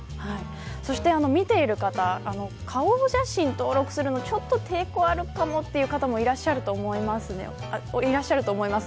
そして、見ている方顔写真を登録するのちょっと抵抗あるかもという方もいらっしゃると思います。